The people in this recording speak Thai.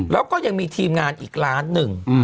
แล้วก็ยังมีทีมงานอีกล้านหนึ่ง